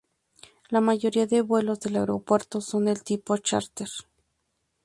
La mayoría de vuelos del aeropuerto son del tipo chárter.